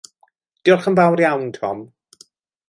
Diolch yn fawr iawn, Tom.